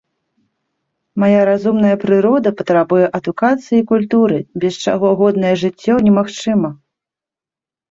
Мая разумная прырода патрабуе адукацыі і культуры, без чаго годнае жыццё немагчыма.